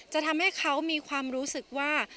จะทำให้เขามีความรู้สึกว่า